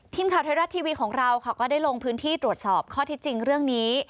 ทีมข่าวไทยรัฐทีวีของเราค่ะก็ได้ลงพื้นที่ตรวจสอบข้อที่จริงเรื่องนี้